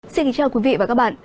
xin kính chào quý vị và các bạn